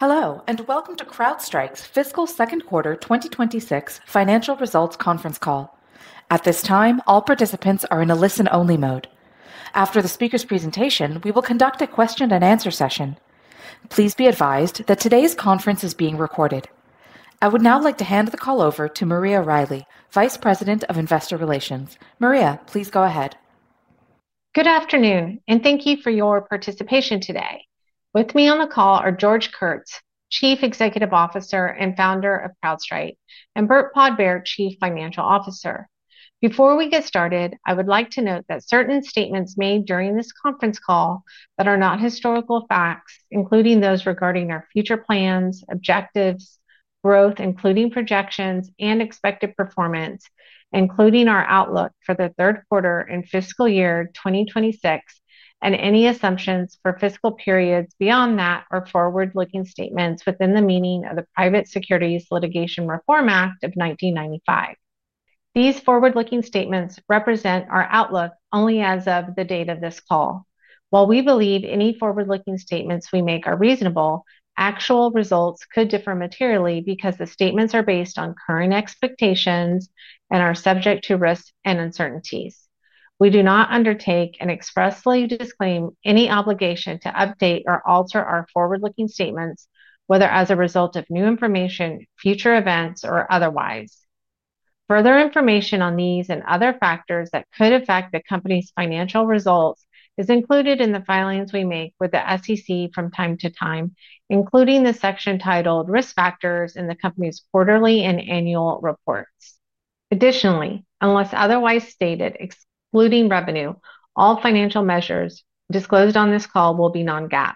Hello and welcome to CrowdStrike's Fiscal Second Quarter 2026 Financial Results Conference call. At this time all participants are in a listen only mode. After the speaker's presentation, we will conduct a question and answer session. Please be advised that today's conference is being recorded. I would now like to hand the call over to Maria Riley, Vice President of Investor Relations. Maria, please go ahead. Good afternoon and thank you for your participation today. With me on the call are George Kurtz, Chief Executive Officer and founder of CrowdStrike, and Burt Podbere, Chief Financial Officer. Before we get started, I would like to note that certain statements made during this conference call that are not historical facts, including those regarding our future plans, objectives, growth, including projections and expected performance, including our outlook for the third quarter and fiscal year 2026 and any assumptions for fiscal periods beyond that, are forward looking statements within the meaning of the Private Securities Litigation Reform Act of 1995. These forward looking statements represent our outlook only as of the date of this call. While we believe any forward looking statements we make are reasonable, actual results could differ materially because the statements are based on current expectations and are subject to risks and uncertainties. We do not undertake and expressly disclaim any obligation to update or alter our forward looking statements, whether as a result of new information, future events or otherwise. Further information on these and other factors that could affect the company's financial results is included in the filings we make with the SEC from time to time, including the section titled Risk Factors in the company's core Quarterly and Annual reports. Additionally, unless otherwise stated excluding revenue, all financial measures disclosed on this call will be non-GAAP.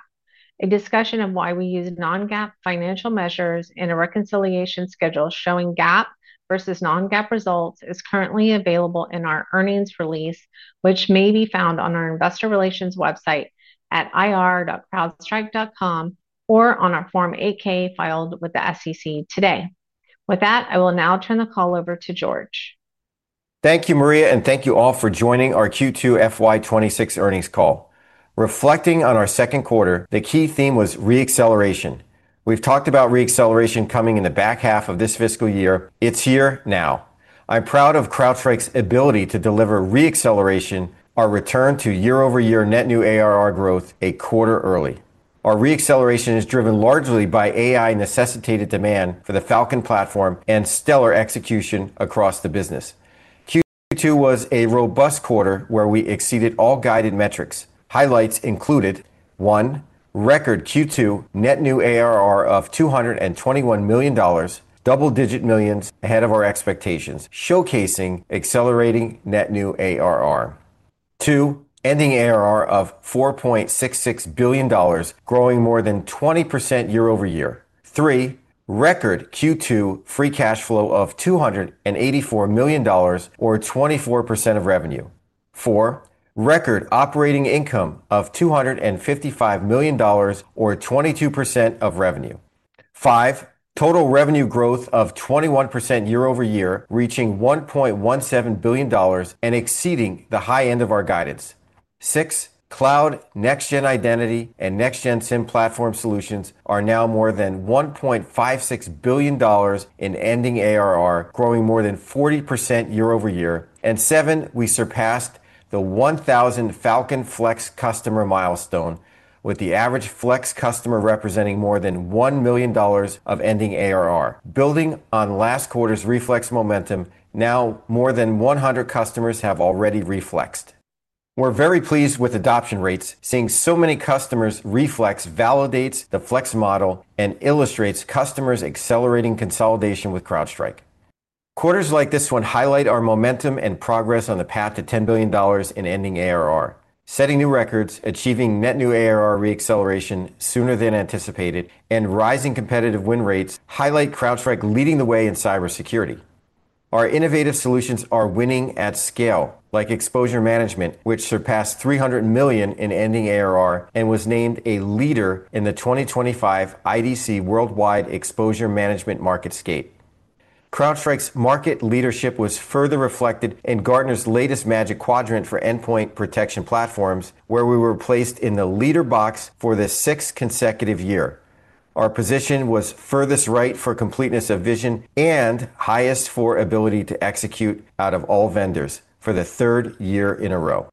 A discussion of why we use non-GAAP financial measures and a reconciliation schedule showing GAAP vs non-GAAP results is currently available in our earnings release, which may be found on our Investor Relations website at ir.crowdstrike.com or on our Form 8-K filed with the SEC today. With that, I will now turn the call over to George. Thank you Maria and thank you all for joining our Q2 FY 2026 earnings call. Reflecting on our second quarter, the key theme was reacceleration. We've talked about reacceleration coming in the back half of this fiscal year. It's here now. I'm proud of CrowdStrike's ability to deliver reacceleration, our return to year-over-year, net new ARR growth a quarter early. Our reacceleration is driven largely by AI necessitated demand for the Falcon platform and stellar execution across the business. Q2 was a robust quarter where we exceeded all guided metrics. Highlights included: one, record Q2 net new ARR of $221 million, double digit millions ahead of our expectations, showcasing accelerating net new arrangements; two, ending ARR of $4.66 billion, growing more than 20% year-over-year; three, record Q2 free cash flow of $284 million or 24% of revenue; four, record operating income of $255 million or 22% of revenue; five, total revenue growth of 21% year-over-year, reaching $1.17 billion and exceeding the high end of our guidance; six, Cloud, Next-Gen Identity, and Next-Gen SIEM platform solutions are now more than $1.56 billion in ending ARR, growing more than 40% year-over-year; and seven, we surpassed the 1,000 Falcon Flex customer milestone, with the average Flex customer representing more than $1 million of ending ARR. Building on last quarter's Re-flex momentum, now more than 100 customers have already Re-Flexed. We're very pleased with adoption rates. Seeing so many customers Re-Flex validates the Flex model and illustrates customers accelerating consolidation with CrowdStrike. Quarters like this one highlight our momentum and progress on the path to $10 billion in ending ARR. Setting new records, achieving net new ARR reacceleration sooner than anticipated, and rising competitive win rates highlight CrowdStrike leading the way in cybersecurity. Our innovative solutions are winning at scale, like exposure management, which surpassed $300 million in ending ARR and was named a leader in the 2025 IDC Worldwide Exposure Management MarketScape. CrowdStrike's market leadership was further reflected in Gartner's latest Magic Quadrant for endpoint protection platforms, where we were placed in the leader box for the sixth consecutive year. Our position was furthest right for completeness of vision and highest for ability to execute out of all vendors for the third year in a row.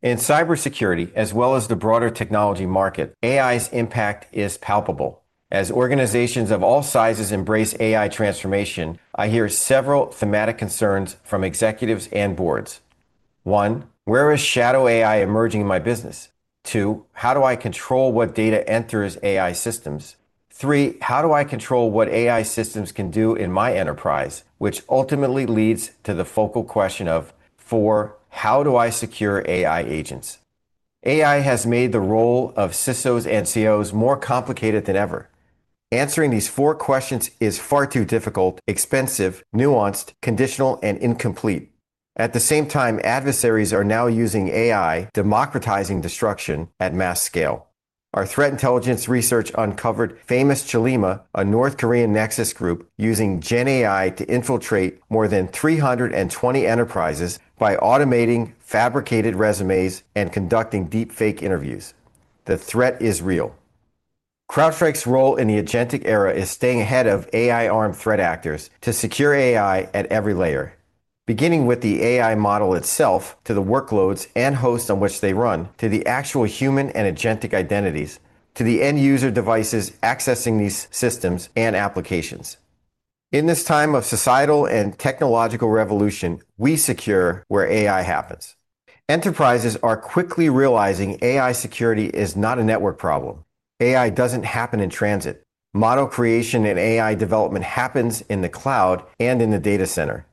In cybersecurity as well as the broader technology market, AI's impact is palpable as organizations of all sizes embrace AI transformation. I hear several thematic concerns from executives and boards. One, where is shadow AI emerging in my business? Two. How do I control what data enters AI systems? Three. How do I control what AI systems can do in my enterprise? Which ultimately leads to the focal question of four, how do I secure AI agents? AI has made the role of CISOs and CEOs more complicated than ever. Answering these four questions is far too difficult, expensive, nuanced, conditional, and incomplete. At the same time, adversaries are now using AI, democratizing destruction at mass scale. Our threat intelligence research uncovered Famous Chollima, a North Korean nexus group using GenAI to infiltrate more than 320 enterprises by automating fabricated resumes and conducting deepfake interviews. The threat is real. CrowdStrike's role in the agentic era is staying ahead of AI-armed threat actors to secure AI at every layer, beginning with the AI model itself, to the workloads and hosts on which they run, to the actual human and agentic identities, to the end user devices accessing these systems and applications. In this time of societal and technological revolution, we secure where AI happens. Enterprises are quickly realizing AI security is not a network problem. AI doesn't happen in transit. Model creation and AI development happens in the cloud and in the data center,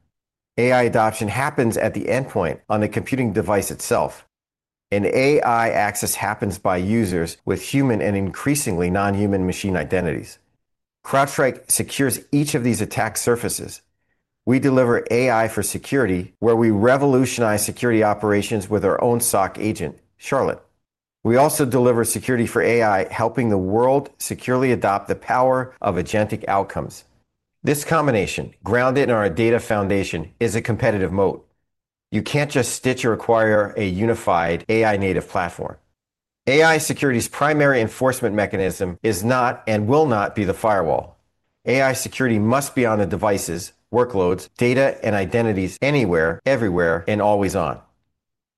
AI adoption happens at the endpoint on the computing device itself, and AI access happens by users with human and increasingly non-human machine identities. CrowdStrike secures each of these attack surfaces. We deliver AI for security, where we revolutionize security operations with our own SOC agent, Charlotte. We also deliver security for AI, helping the world securely adopt the power of agentic outcomes. This combination, grounded in our data foundation, is a competitive moat. You can't just stitch or acquire a unified AI-native platform. AI security's primary enforcement mechanism is not and will not be the firewall. AI security must be on the devices, workloads, data, and identities anywhere, everywhere, and always on.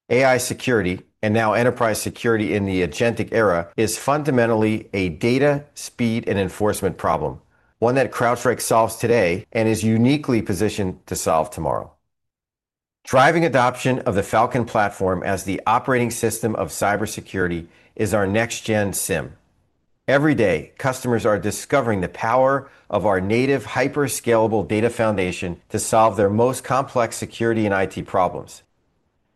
AI security, and now enterprise security in the agentic era, is fundamentally a data, speed, and enforcement problem, one that CrowdStrike solves today and is uniquely positioned to solve tomorrow. Driving adoption of the Falcon platform as the operating system of cybersecurity is our Next-Gen SIEM. Every day, customers are discovering the power of our native hyperscale data foundation to solve their most complex security and IT problems.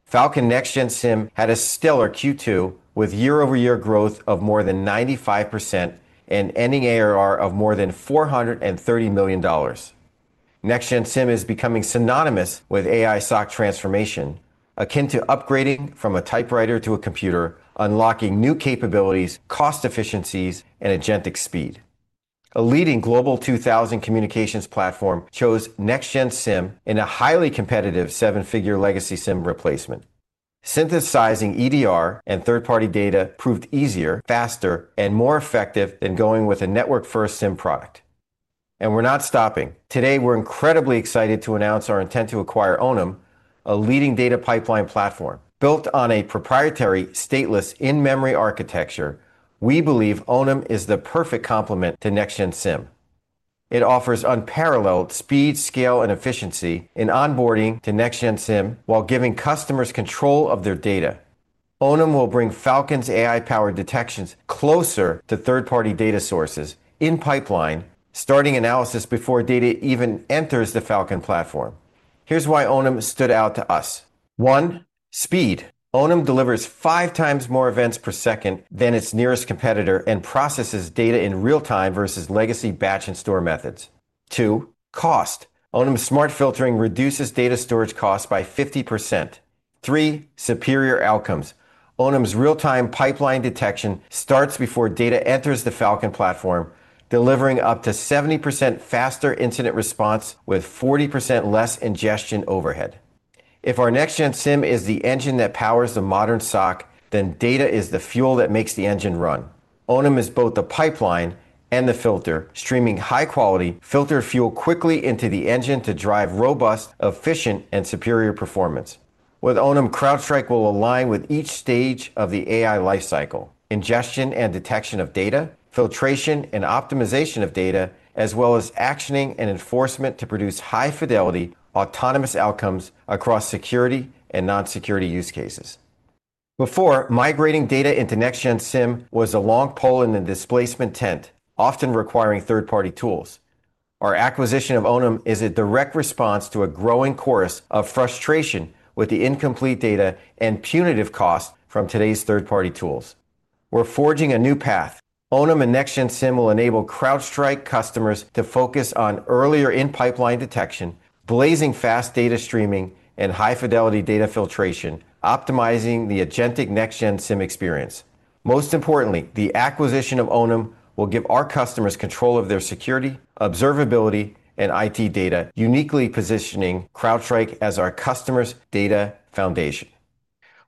Falcon Next-Gen SIEM had a stellar Q2 with year-over-year growth of more than 95% and ending ARR of more than $430 million. Next-Gen SIEM is becoming synonymous with AI SOC transformation, akin to upgrading from a typewriter to a computer, unlocking new capabilities, cost efficiencies, and agentic speed. A leading Global 2000 communications platform chose Next-Gen SIEM in a highly competitive seven-figure legacy SIEM replacement. Synthesizing EDR and third-party data proved easier, faster, and more effective than going with a network-first SIEM product. We're not stopping. Today we're incredibly excited to announce our intent to acquire Onum, a leading data pipeline platform built on a proprietary stateless in-memory architecture. We believe Onum is the perfect complement to Next-Gen SIEM. It offers unparalleled speed, scale, and efficiency in onboarding to Next-Gen SIEM while giving customers control of their data. Onum will bring Falcon's AI-powered detections closer to third-party data sources in-pipeline, starting analysis before data even enters the Falcon platform. Here's why Onum stood out to us. 1. Speed: Onum delivers five times more events per second than its nearest competitor and processes data in real time versus legacy batch and store methods. 2. Cost: Onum smart filtering reduces data storage costs by 50%. 3. Superior outcomes: Onum's real-time pipeline detection starts before data enters the Falcon platform, delivering up to 70% faster incident response with 40% less ingestion overhead. If our Next-Gen SIEM is the engine that powers the modern SOC, then data is the fuel that makes the engine run. Onum is both the pipeline and the filter, streaming high-quality filtered fuel quickly into the engine to drive robust, efficient, and superior performance. With Onum, CrowdStrike will align with each stage of the AI lifecycle: ingestion and detection of data, filtration and optimization of data, as well as actioning and enforcement to produce high-fidelity autonomous outcomes across security and non-security use cases. Before migrating data into Next-Gen SIEM was a long pole in the displacement tent, often requiring third-party tools. Our acquisition of Onum is a direct response to a growing chorus of frustration with the incomplete data and punitive costs from today's third-party tools. We're forging a new path. Onum and Next-Gen SIEM will enable CrowdStrike customers to focus on earlier in-pipeline detection, blazing fast data streaming, and high-fidelity data filtration, optimizing the agentic Next-Gen SIEM experience. Most importantly, the acquisition of Onum will give our customers control of their security, observability, and IT data, uniquely positioning CrowdStrike as our customers' data foundation.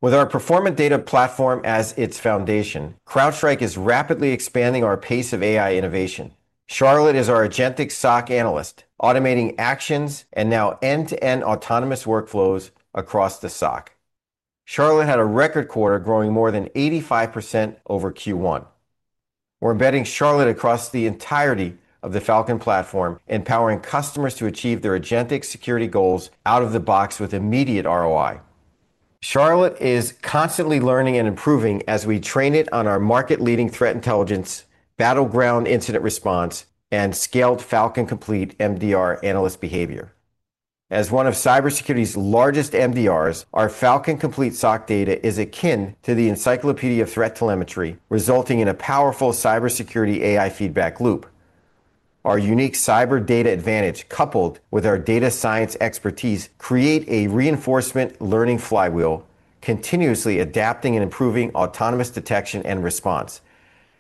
With our performant data platform as its foundation, CrowdStrike is rapidly expanding our pace of AI innovation. Charlotte is our agentic SOC analyst automating actions and now end-to-end autonomous workflows across the SOC. Charlotte had a record quarter, growing more than 85% over Q1. We're embedding Charlotte across the entirety of the Falcon platform, empowering customers to achieve their agentic security goals out of the box with immediate ROI. Charlotte is constantly learning and improving as we train it on our market-leading threat intelligence, battleground incident response, and scaled Falcon Complete MDR analyst behavior. As one of cybersecurity's largest MDRs, our Falcon Complete SOC data is akin to the encyclopedia of threat telemetry, resulting in a powerful cybersecurity AI feedback loop. Our unique cyber data advantage coupled with our data science expertise create a reinforcement learning flywheel, continuously adapting and improving autonomous detection and response.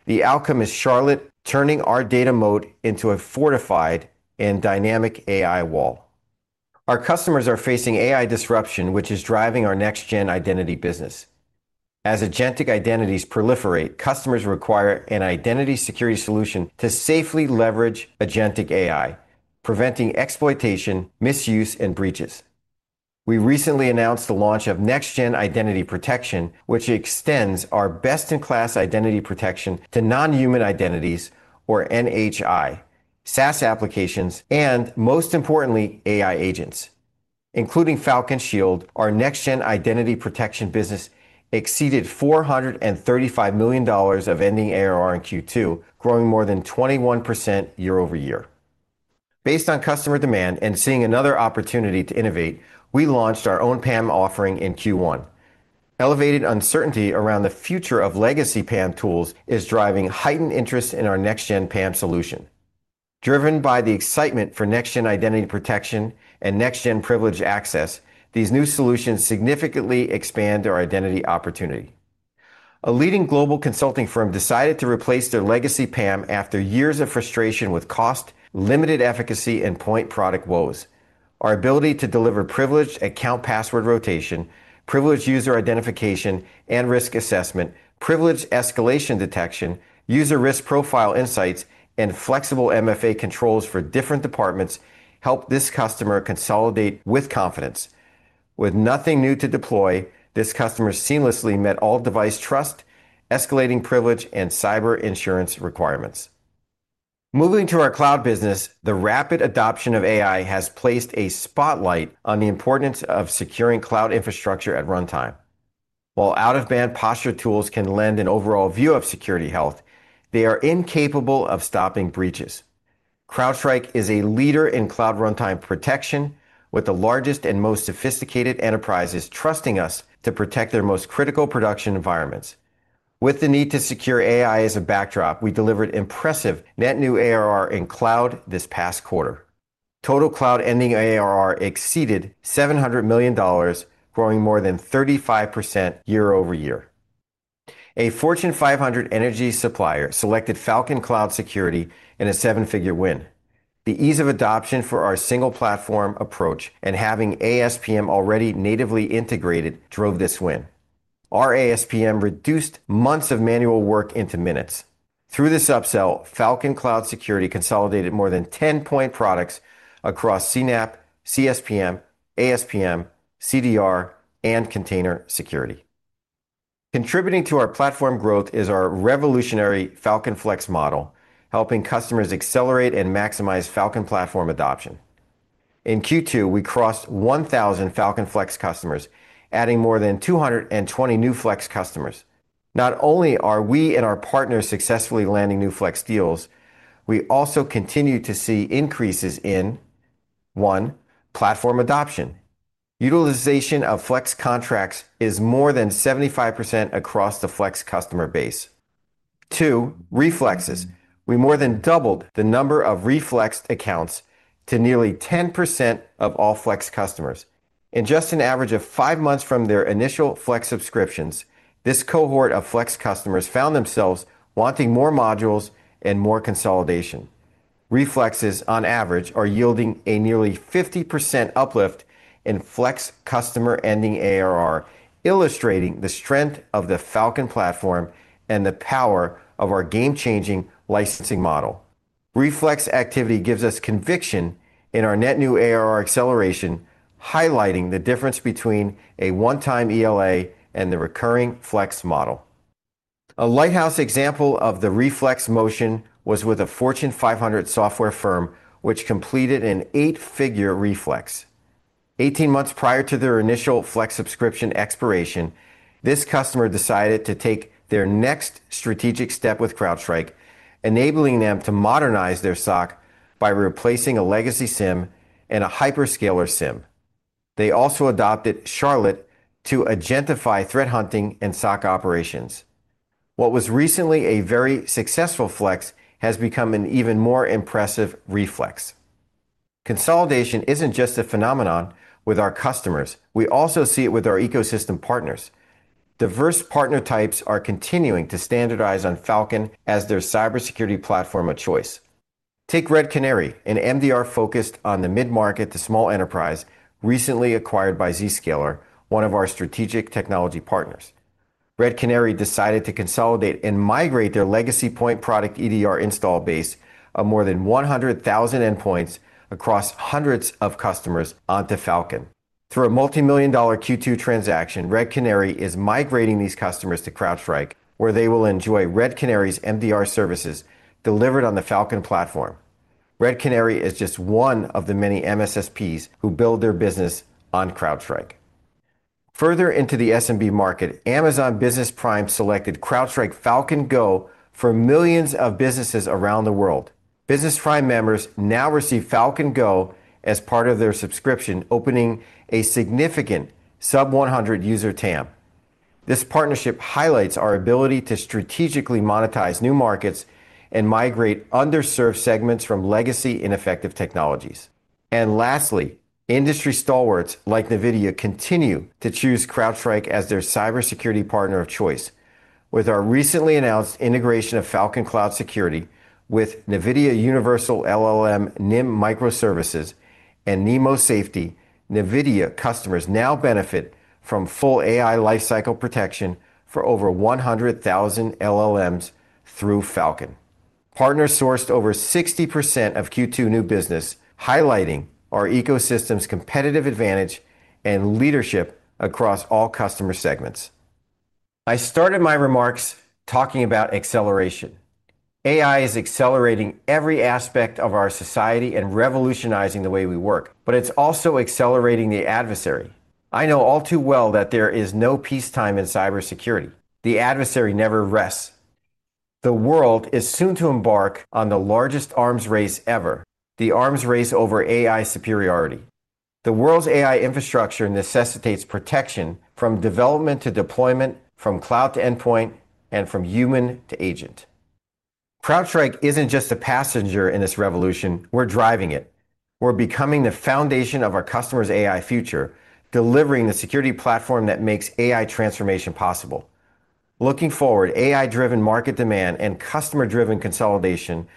The outcome is Charlotte turning our data moat into a fortified and dynamic AI wall. Our customers are facing AI disruption, which is driving our Next-Gen Identity business. As agentic identities proliferate, customers require an identity security solution to safely leverage agentic AI, preventing exploitation, misuse, and breaches. We recently announced the launch of Next-Gen Identity protection, which extends our best-in-class identity protection to non-human identities or NHI, SaaS applications, and most importantly AI agents, including Falcon Shield. Our Next-Gen Identity protection business exceeded $435 million of ending ARR in Q2, growing more than 21% year-over-year. Based on customer demand and seeing another opportunity to innovate, we launched our own PAM offering in Q1. Elevated uncertainty around the future of legacy PAM tools is driving heightened interest in our Next-Gen PAM solution. Driven by the excitement for Next-Gen Identity protection and Next-Gen privileged access, these new solutions significantly expand our identity opportunity. A leading global consulting firm decided to replace their legacy PAM after years of frustration with cost, limited efficacy, and point product woes. Our ability to deliver privileged account password rotation, privileged user identification and risk assessment, privileged escalation detection, user risk profile insights, and flexible MFA controls for different departments helped this customer consolidate with confidence. With nothing new to deploy, this customer seamlessly met all device trust, escalating privilege, and cyber insurance requirements. Moving to our cloud business, the rapid adoption of AI has placed a spotlight on the importance of securing cloud infrastructure at runtime. While out-of-band posture tools can lend an overall view of security health, they are incapable of stopping breaches. CrowdStrike is a leader in cloud runtime protection, with the largest and most sophisticated enterprises trusting us to protect their most critical production environments. With the need to secure AI as a backdrop, we delivered impressive net new ARR in cloud. This past quarter, total cloud ending ARR exceeded $700 million, growing more than 35% year-over-year. A Fortune 500 energy supplier selected Falcon Cloud Security in a seven-figure win. The ease of adoption for our single platform approach and having ASPM already natively integrated drove this win. Our ASPM reduced months of manual work into minutes through this upsell. Falcon Cloud Security consolidated more than 10 point products across CNAPP, CSPM, ASPM, CDR, and container security. Contributing to our platform growth is our revolutionary Falcon Flex model, helping customers accelerate and maximize Falcon platform adoption. In Q2, we crossed 1,000 Falcon Flex customers, adding more than 220 new Flex customers. Not only are we and our partners successfully landing new Flex deals, we also continue to see increases in one platform adoption. Utilization of Flex contracts is more than 75% across the Flex customer base. Re-Flexes: we more than doubled the number of Re-Flexed accounts to nearly 10% of all Flex customers in just an average of five months from their initial Flex subscriptions. This cohort of Flex customers found themselves wanting more modules and more consolidation. Re-Flexes on average are yielding a nearly 50% uplift in Flex customer ending ARR, illustrating the strength of the Falcon platform and the power of our game-changing licensing model. Re-Flex activity gives us conviction in our net new ARR acceleration, highlighting the difference between a one-time ELA and the recurring Flex model. A lighthouse example of the Re-Flex motion was with a Fortune 500 software firm which completed an eight-figure Re-Flex 18 months prior to their initial Flex subscription expiration. This customer decided to take their next strategic step with CrowdStrike, enabling them to modernize their SOC by replacing a legacy SIEM and a hyperscaler SIEM. They also adopted Charlotte agent to identify threat hunting and SOC operations. What was recently a very successful Flex has become an even more impressive Re-Flex. Consolidation isn't just a phenomenon with our customers, we also see it with our ecosystem partners. Diverse partner types are continuing to standardize on Falcon as their cybersecurity platform of choice. Take Red Canary, an MDR focused on the mid-market to small enterprise. Recently acquired by Zscaler, one of our strategic technology partners, Red Canary decided to consolidate and migrate their legacy point product EDR install base of more than 100,000 endpoints across hundreds of customers onto Falcon through a multimillion dollar Q2 transaction. Red Canary is migrating these customers to CrowdStrike where they will enjoy Red Canary's MDR services delivered on the Falcon platform. Red Canary is just one of the many MSSPs who build their business on CrowdStrike. Further into the SMB market, Amazon Business Prime selected CrowdStrike Falcon Go for millions of businesses around the world. Business Prime members now receive Falcon Go as part of their subscription, opening a significant sub-100 user TAM. This partnership highlights our ability to strategically monetize new markets and migrate underserved segments from legacy ineffective technologies. Lastly, industry stalwarts like NVIDIA continue to choose CrowdStrike as their cybersecurity partner of choice. With our recently announced integration of Falcon Cloud Security with NVIDIA Universal LLM, NIM Microservices, and NeMo Safety, NVIDIA customers now benefit from full AI lifecycle protection for over 100,000 LLMs through Falcon. Partners sourced over 60% of Q2 new business, highlighting our ecosystem's competitive advantage and leadership across all customer segments. I started my remarks talking about acceleration. AI is accelerating every aspect of our society and revolutionizing the way we work, but it's also accelerating the adversary. I know all too well that there is no peacetime in cybersecurity. The adversary never rests. The world is soon to embark on the largest arms race ever, the arms race over AI superiority. The world's AI infrastructure necessitates protection from development to deployment, from cloud to endpoint, and from human to agent. CrowdStrike isn't just a passenger in this revolution, we're driving it. We're becoming the foundation of our customers' AI future, delivering the security platform that makes AI transformation possible. Looking forward, AI-driven market demand and customer-driven consolidation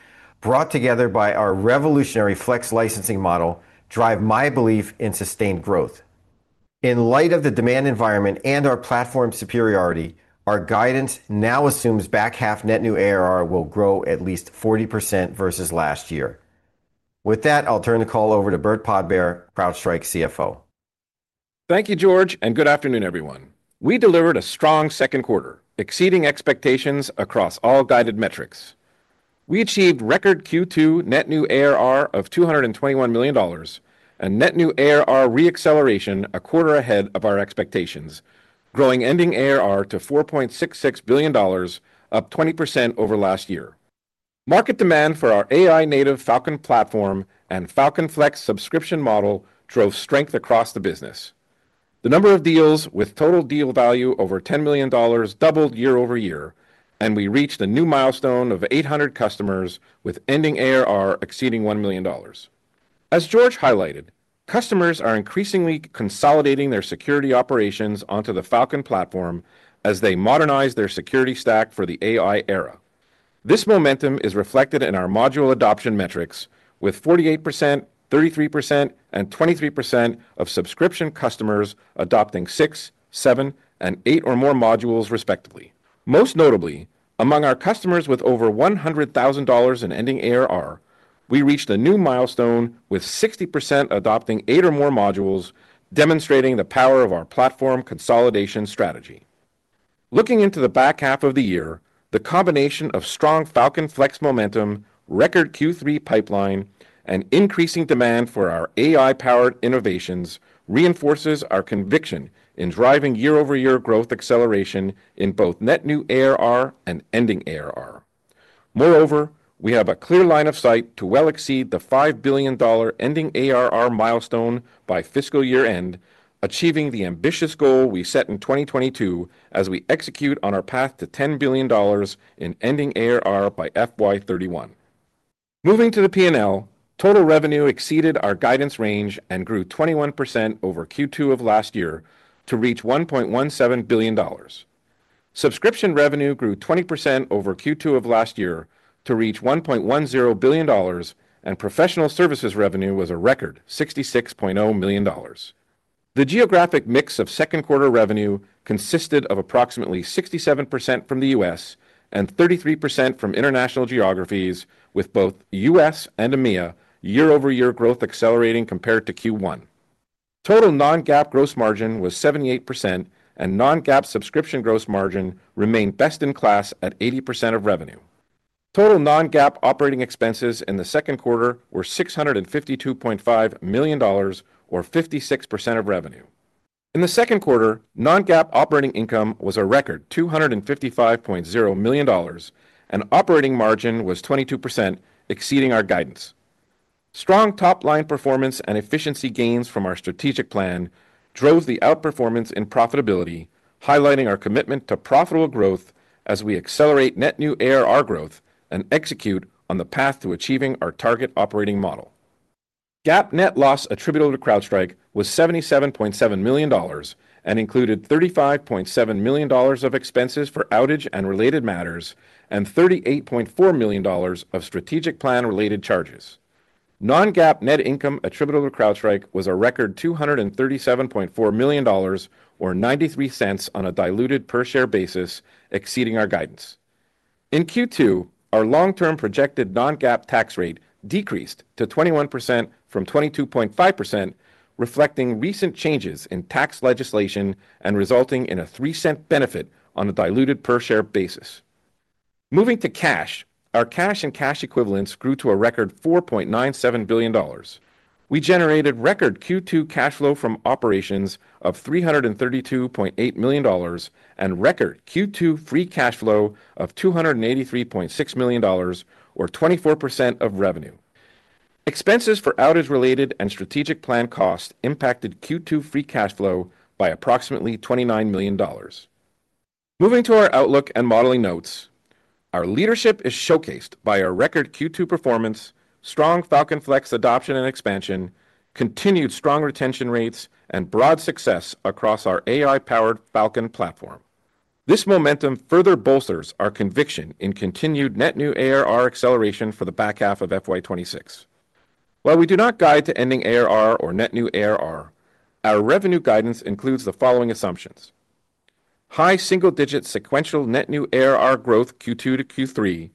brought together by our revolutionary Flex licensing model drive my belief in sustained growth. In light of the demand environment and our platform superiority, our guidance now assumes back half Net New ARR will grow at least 40% versus last year. With that, I'll turn the call over to Burt Podbere, CrowdStrike CFO. Thank you George and good afternoon everyone. We delivered a strong second quarter, exceeding expectations across all guided metrics. We achieved record Q2 net new ARR of $221 million and net new ARR re-acceleration a quarter ahead of our expectations, growing ending ARR to $4.66 billion, up 20% over last year. Market demand for our AI-native Falcon platform and Falcon Flex subscription model drove strength across the business. The number of deals with total deal value over $10 million doubled year-over-year and we reached a new milestone of 800 customers with ending ARR exceeding $1 million. As George highlighted, customers are increasingly consolidating their security operations onto the Falcon platform as they modernize their security stack for the AI era. This momentum is reflected in our module adoption metrics with 48%, 33%, and 23% of subscription customers adopting six, seven, and eight or more modules, respectively. Most notably, among our customers with over $100,000 in ending ARR, we reached a new milestone with 60% adopting eight or more modules, demonstrating the power of our platform consolidation strategy. Looking into the back half of the year, the combination of strong Falcon Flex momentum, record Q3 pipeline, and increasing demand for our AI-powered innovations reinforces our conviction in driving year-over-year growth acceleration in both net new ARR and ending ARR. Moreover, we have a clear line of sight to well exceed the $5 billion ending ARR milestone by fiscal year end, achieving the ambitious goal we set in 2022 as we execute on our path to $10 billion in ending ARR by FY 2031. Moving to the P&L, total revenue exceeded our guidance range and grew 21% over Q2 of last year to reach $1.17 billion. Subscription revenue grew 20% over Q2 of last year to reach $1.10 billion and professional services revenue was a record $66.0 million. The geographic mix of second quarter revenue consisted of approximately 67% from the U.S. and 33% from international geographies, with both U.S. and EMEA year-over-year growth accelerating compared to Q1. Total non-GAAP gross margin was 78% and non-GAAP subscription gross margin remained best in class at 80% of revenue. Total non-GAAP operating expenses in the second quarter were $652.5 million or 56% of revenue. In the second quarter, non-GAAP operating income was a record $255.0 million and operating margin was 22%, exceeding our guidance. Strong top line performance and efficiency gains from our strategic plan drove the outperformance in profitability, highlighting our commitment to profitable growth as we accelerate net new ARR growth and execute on the path to achieving our target operating model. GAAP net loss attributable to CrowdStrike was $77.7 million and included $35.7 million of expenses for outage and related matters and $38.4 million of strategic plan related charges. Non-GAAP net income attributable to CrowdStrike was a record $237.4 million or $0.93 on a diluted per share basis, exceeding our guidance in Q2. Our long-term projected non-GAAP tax rate decreased to 21% from 22.5%, reflecting recent changes in tax legislation and resulting in a $0.03 benefit on a diluted per share basis. Moving to cash, our cash and cash equivalents grew to a record $4.97 billion. We generated record Q2 cash flow from operations of $332.8 million and record Q2 free cash flow of $283.6 million, or 24% of revenue. Expenses for outage related and strategic plan costs impacted Q2 free cash flow by approximately $29 million. Moving to our outlook and modeling notes, our leadership is showcased by our record Q2 performance, strong Falcon Flex adoption and expansion, continued strong retention rates, and broad success across our AI-powered Falcon platform. This momentum further bolsters our conviction in continued net new ARR acceleration for the back half of FY 2026. While we do not guide to ending ARR or net new ARR, our revenue guidance includes the following assumptions: high single-digit sequential net new ARR growth Q2 to Q3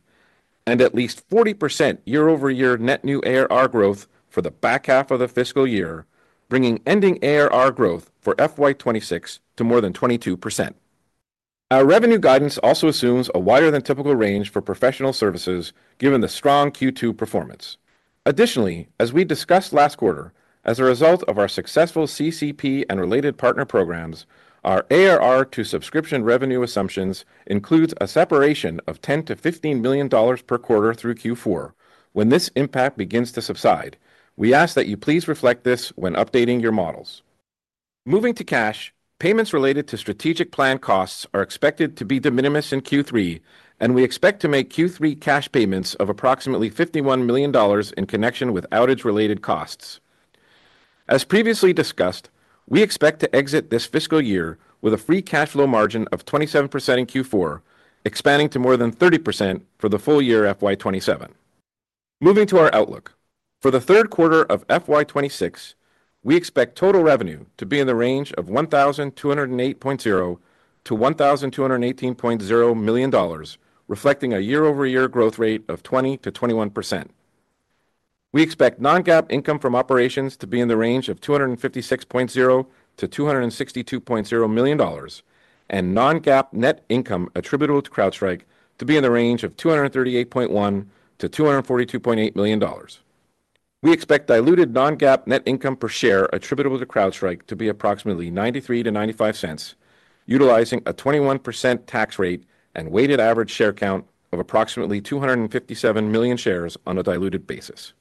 and at least 40% year-over-year net new ARR growth for the back half of the fiscal year, bringing ending ARR growth for FY 2026 to more than 22%. Our revenue guidance also assumes a wider than typical range for professional services given the strong Q2 performance. Additionally, as we discussed last quarter, as a result of our successful CCP and related partner programs, our ARR to subscription revenue assumptions include a separation of $10 million-$15 million per quarter through Q4. When this impact begins to subside, we ask that you please reflect this when updating your models. Moving to cash, payments related to strategic plan costs are expected to be de minimis in Q3, and we expect to make Q3 cash payments of approximately $51 million in connection with outage related costs. As previously discussed, we expect to exit this fiscal year with a free cash flow margin of 27% in Q4, expanding to more than 30% for the full year FY 2027. Moving to our outlook for the third quarter of FY 2026, we expect total revenue to be in the range of $1.208 billion-$1.218 billion, reflecting a year-over-year growth rate of 20%-21%. We expect non-GAAP income from operations to be in the range of $256.0 million-$262.0 million and non-GAAP net income attributable to CrowdStrike to be in the range of $238.1 million-$242.8 million. We expect diluted non-GAAP net income per share attributable to CrowdStrike to be approximately $0.93-$0.95, utilizing a 21% tax rate and weighted average share count of approximately 257 million shares on a diluted basis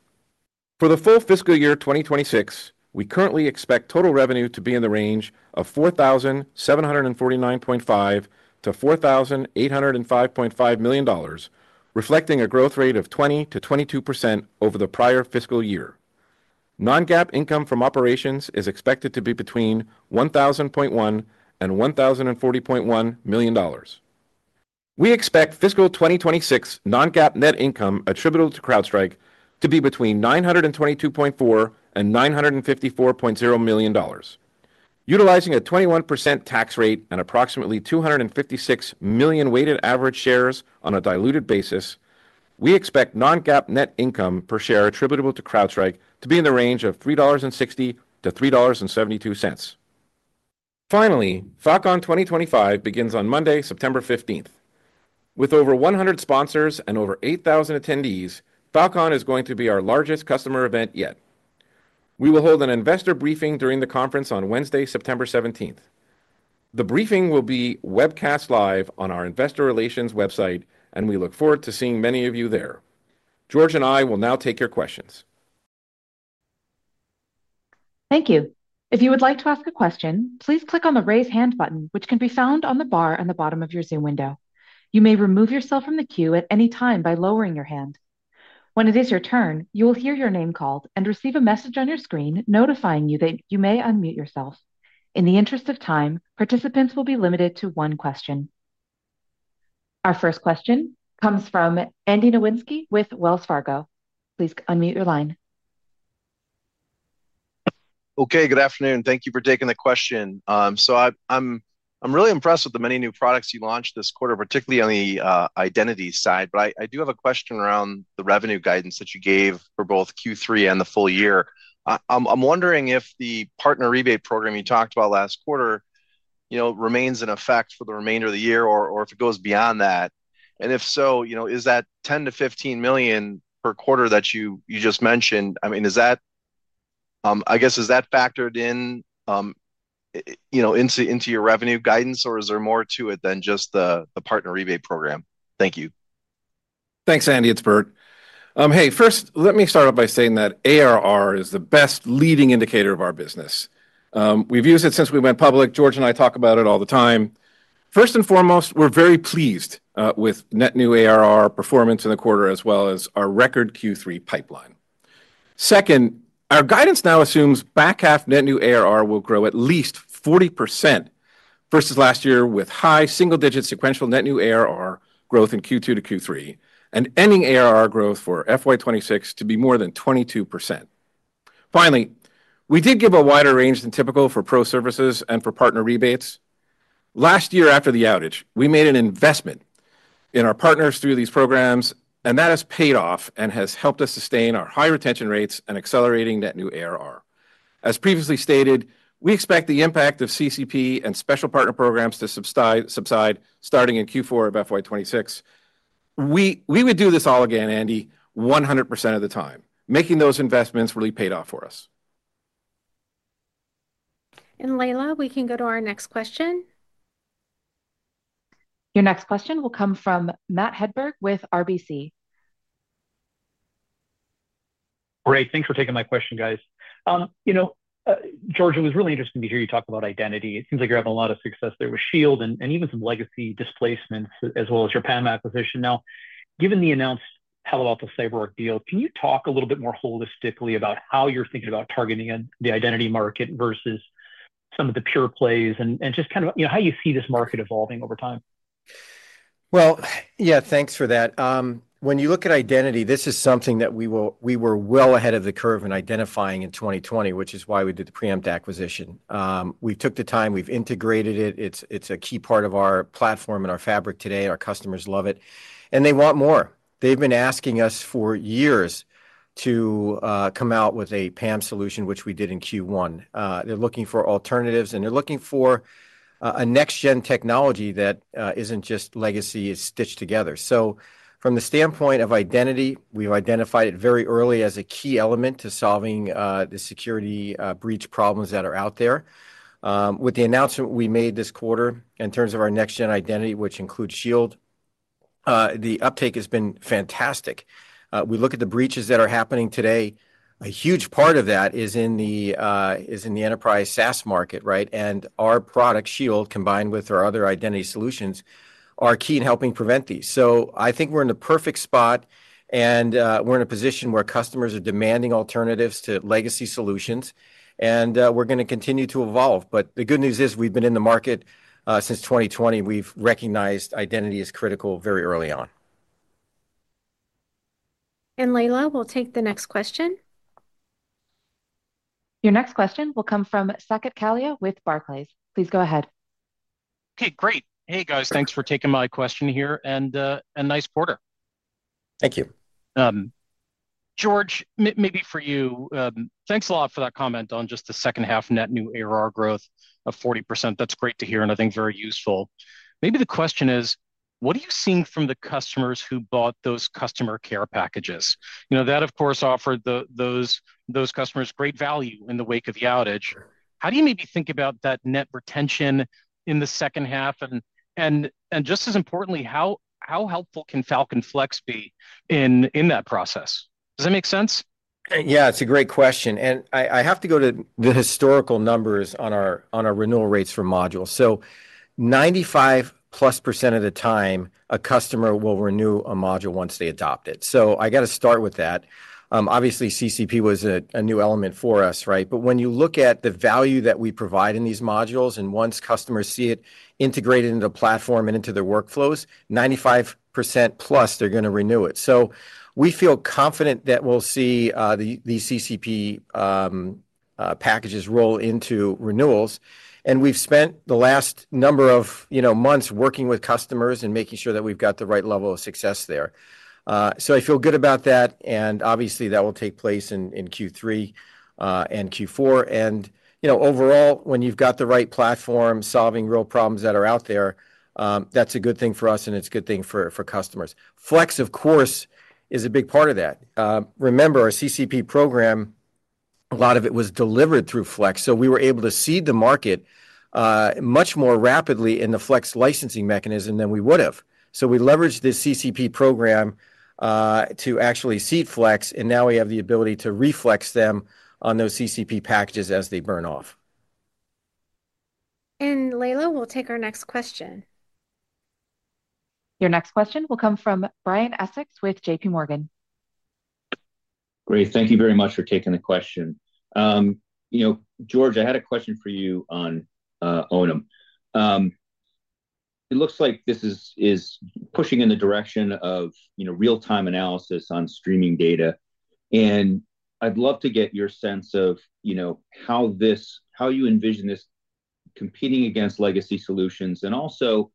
for the full fiscal year 2026. We currently expect total revenue to be in the range of $4.7495 billion-$4.8055 billion, reflecting a growth rate of 20%-22% over the prior fiscal year. Non-GAAP income from operations is expected to be between $1.0001 billion and $1.0401 billion. We expect fiscal 2026 non-GAAP net income attributable to CrowdStrike to be between $922.4 million and $954.0 million. Utilizing a 21% tax rate and approximately 256 million weighted average shares on a diluted basis, we expect non-GAAP net income per share attributable to CrowdStrike to be in the range of $3.60-$3.72. Finally, Falcon 2025 begins on Monday, September 15th. With over 100 sponsors and over 8,000 attendees, Falcon is going to be our largest customer event yet. We will hold an investor briefing during the conference on Wednesday, September 17th. The briefing will be webcast live on our investor relations website and we look forward to seeing many of you there. George and I will now take your questions. Thank you. If you would like to ask a question, please click on the Raise hand button, which can be found on the bar on the bottom of your Zoom window. You may remove yourself from the queue at any time by lowering your hand. When it is your turn, you will hear your name called and receive a message on your screen notifying you that you may unmute yourself. In the interest of time, participants will be limited to one question. Our first question comes from Andy Nowinski with Wells Fargo. Please unmute your line. Okay. Good afternoon. Thank you for taking the question. I'm really impressed with the many new products you launched this quarter, particularly on the identity side. I do have a question around. The revenue guidance that you gave for. Both Q3 and the full year. I'm wondering if the partner rebate program. You talked about last quarter, you know. Remains in effect for the remainder of the year, or if it goes beyond that. Is that $10 million-$15 million per quarter that you just mentioned? Is that factored in? Into your revenue guidance, or is there? More to it than just the partner rebate program? Thank you. Thanks, Andy. It's Burt. First, let me start off by saying that ARR is the best leading indicator of our business. We've used it since we went public. George and I talk about it all the time. First and foremost, we're very pleased with net new ARR performance in the quarter as well as our record Q3 pipeline. Second, our guidance now assumes back half, net new ARR will grow at least 40% versus last year with high single digit sequential net new ARR growth in Q2 to Q3 and ending ARR growth for FY 2026 to be more than 22%. Finally, we did give a wider range than typical for pro services and for partner rebates. Last year after the outage, we made an investment in our partners through these programs and that has paid off and has helped us sustain our high retention rates and accelerating net new arrangements. As previously stated, we expect the impact of CCP and special partner programs to subside starting in Q4 of FY 2026. We would do this all again, Andy, 100% of the time. Making those investments really paid off for us. Layla, we can go to our next question. Your next question will come from Matt Hedberg with RBC. Great. Thanks for taking my question, guys. You know, George, it was really interesting to hear you talk about identity. It seems like you're having a lot of success there with Shield and even some legacy displacements as well as your PAM acquisition. Now, given the announced, [hello, Alpha Cyber Work deal], can you talk a little bit more holistically about how you're thinking about targeting the identity market versus some of the pure plays and just kind of, you know, how you see this market evolving over time? Thank you for that. When you look at identity, this is something that we were well ahead of the curve in identifying in 2020, which is why we did the Preempt acquisition. We took the time, we've integrated it. It's a key part of our platform and our fabric today. Our customers love it and they want more. They've been asking us for years to come out with a PAM solution, which we did in Q1. They're looking for alternatives and they're looking for a Next-Gen technology that isn't just legacy stitched together. From the standpoint of identity, we've identified it very early as a key element to solving the security breach problems that are out there. With the announcement we made this quarter in terms of our Next-Gen Identity, which includes Shield, the uptake has been fantastic. We look at the breaches that are happening today. A huge part of that is in the enterprise SaaS market. Our product Shield combined with our other identity solutions are key in helping prevent these. I think we're in the perfect spot and we're in a position where customers are demanding alternatives to legacy solutions and we're going to continue to evolve. The good news is we've been in the market since 2020. We've recognized identity is critical very early on. Layla will take the next question. Your next question will come from Saket Kalia with Barclays. Please go ahead. Okay, great. Hey guys, thanks for taking my question here. A nice quarter. Thank you, George, maybe for you. Thanks a lot for that comment on just the second half, net new ARR growth of 40%. That's great to hear and I think very useful. Maybe the question is, what are you seeing from the customers who bought those customer care packages, you know, that of course offered those customers great value in the wake of the outage? How do you maybe think about that net retention in the second half? Just as importantly, how helpful can Falcon Flex be in that process? Does that make sense? Yeah, it's a great question. I have to go to the historical numbers on our renewal rates for modules. 95%+ of the time a customer will renew a module once they adopt it. I got to start with that. Obviously, CCP was a new element for us, right? When you look at the value that we provide in these modules and once customers see it integrated into the platform and into their workflows, 95%+ they're going to renew it. We feel confident that we'll see the CCP packages roll into renewals. We've spent the last number of months working with customers and making sure that we've got the right level of success there. I feel good about that. That will take place in Q3 and Q4. You know, overall, when you've got the right platform, solving real problems that are out there, that's a good thing for us and it's a good thing for customers. Flex, of course, is a big part of that. Remember our CCP program, a lot of it was delivered through Flex, so we were able to seed the market much more rapidly in the Flex licensing mechanism than we would have. We leveraged this CCP program to actually seed Flex and now we have the ability to Re-Flex them on those CCP packages as they burn off. Layla, we'll take our next question. Your next question will come from Brian Essex with JPMorgan. Great. Thank you very much for taking the question. You know, George, I had a question for you. On Onum, it looks like this is pushing in the direction of real-time analysis on streaming data. I'd love to get your sense of how this, how you envision this competing against legacy solutions and also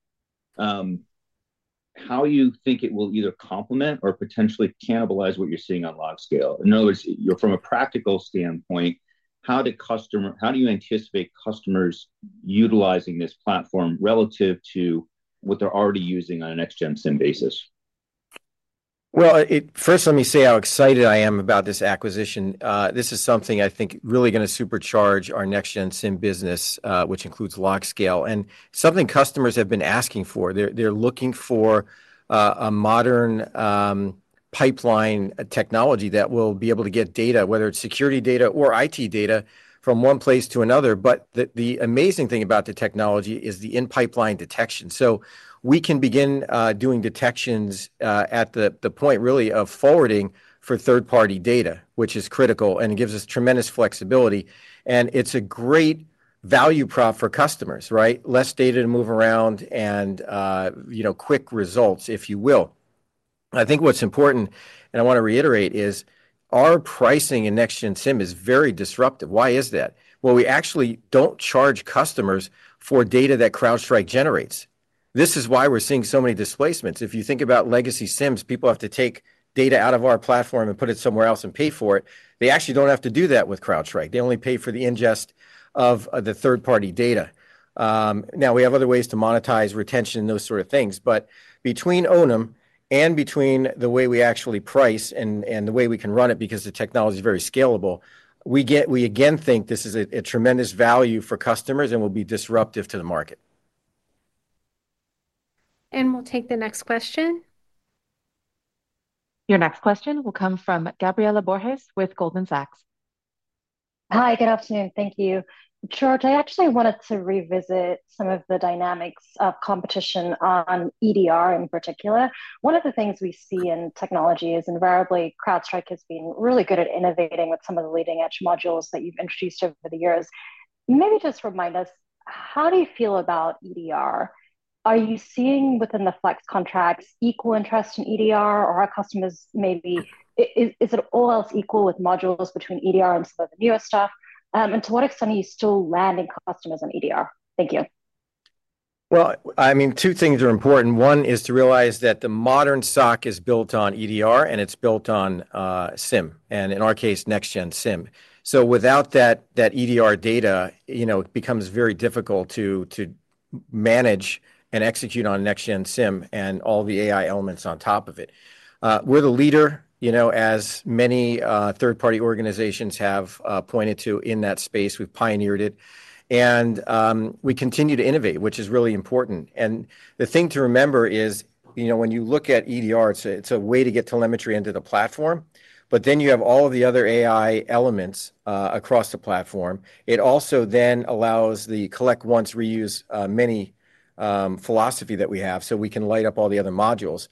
how you think it will either complement or potentially cannibalize what you're seeing on live scale. In other words, from a practical standpoint, how do you anticipate customers utilizing this platform relative to what they're already using on a Next-Gen SIEM basis? First, let me say how excited I am about this acquisition. This is something I think is really going to supercharge our Next-Gen SIEM business, which includes LogScale and something customers have been asking for. They're looking for a modern pipeline technology that will be able to get data, whether it's security data or IT data, from one place to another. The amazing thing about the technology is the in-pipeline detection, so we can begin doing detections at the point really of forwarding for third-party data, which is critical and it gives us tremendous flexibility and it's a great value prop for customers. Less data to move around and, you know, quick results if you will. I think what's important, and I want to reiterate, is our pricing in Next-Gen SIEM is very disruptive. Why is that? We actually don't charge customers for data that CrowdStrike generates. This is why we're seeing so many displacements. If you think about legacy SIEMs, people have to take data out of our platform and put it somewhere else and pay for it. They actually don't have to do that with CrowdStrike. They only pay for the ingest of the third-party data. Now we have other ways to monetize retention and those sort of things, but between Onum and between the way we actually price and the way we can run it because the technology is very scalable, we again think this is a tremendous value for customers and will be disruptive to the market. We'll take the next question. Your next question will come from Gabriela Borges with Goldman Sachs. Hi, good afternoon. Thank you, George. I actually wanted to revisit some of the dynamics of competition on EDR. In particular, one of the things we see in technology is invariably CrowdStrike has been really good at innovating with some of the leading edge modules that you've introduced over the years. Maybe just remind us, how do you feel about EDR? Are you seeing within the Flex contracts equal interest in EDR or are customers, maybe, is it all else equal with modules between EDR and newer stuff? To what extent are you still landing customers in EDR? Thank you. Two things are important. One is to realize that the modern SOC is built on EDR and it's built on SIEM, and in our case, Next-Gen SIEM. Without that EDR data, it becomes very difficult to manage and execute on Next-Gen SIEM and all the AI elements on top of it. We're the leader, as many third-party organizations have pointed to in that space. We've pioneered it and we continue to innovate, which is really important. The thing to remember is, when you look at EDR, it's a way to get telemetry into the platform, but then you have all of the other AI elements across the platform. It also then allows the collect-once, reuse-many philosophy that we have, so we can light up all the other modules.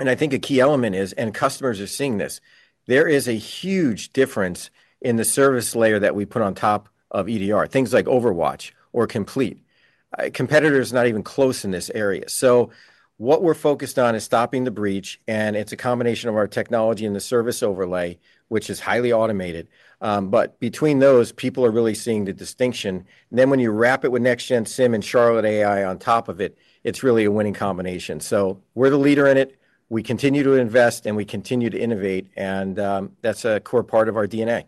I think a key element is, and customers are seeing this, there is a huge difference in the service layer that we put on top of EDR. Things like OverWatch or Complete—competitors are not even close in this area. What we're focused on is stopping the breach, and it's a combination of our technology and the service overlay, which is highly automated. Between those, people are really seeing the distinction. When you wrap it with Next-Gen SIEM and Charlotte AI agent on top of it, it's really a winning combination. We're the leader in it, we continue to invest, and we continue to innovate, and that's a core part of our DNA.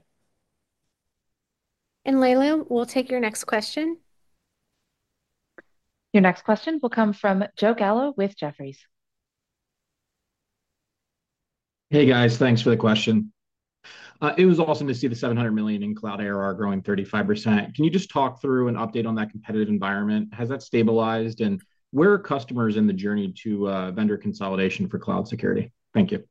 Leila, we'll take your next question. Your next question will come from Joe Gallo with Jefferies. Hey guys, thanks for the question. It was awesome to see the $700 million in cloud ARR growing 35%. Can you just talk through an update on that competitive environment? Has that stabilized and where are customers in the journey to vendor consolidation for Cloud Security? Thank you.